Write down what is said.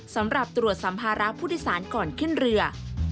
สำหรับตรวจสัมภาระผู้โดยสารก่อนขึ้นเรือ